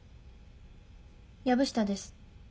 藪下です。